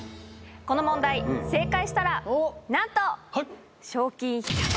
この問題正解したらなんと。